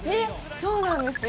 そうなんですよ